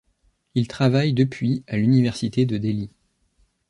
Il travaille depuis à l'université de Delhi.